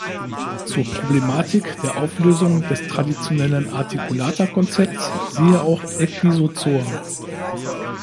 Zur Problematik der Auflösung des traditionellen Articulata-Konzepts siehe auch Ecdysozoa.